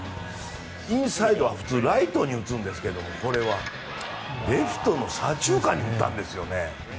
インサイドは普通ライトに打つんですけどこれはレフトの左中間に打ったんですよね。